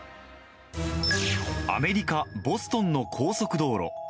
アメリカ・ボストンの高速道路。